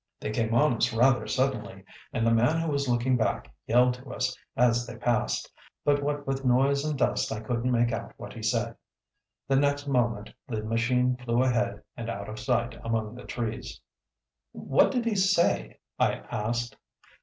They came on us rather suddenly, and the man who was looking back yelled to us as they passed, but what with noise and dust I couldn't make out what he said. The next moment the machine flew ahead and out of sight among the trees. "What did he say?" I asked.